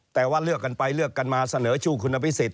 แต่ว่าเลือกกันไปเลือกกันมาเสนอชื่อคุณอภิษฎ